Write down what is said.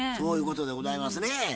そういうことでございますね。